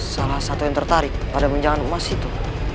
salah satu yang tertarik pada tunjangan emas itu